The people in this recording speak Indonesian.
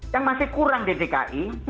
yang masih kurang di dki